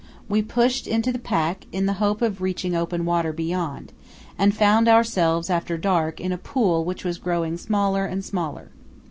We pushed into the pack in the hope of reaching open water beyond, and found ourselves after dark in a pool which was growing smaller and smaller.